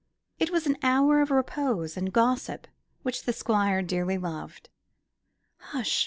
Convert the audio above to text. It was an hour of repose and gossip which the Squire dearly loved. Hush!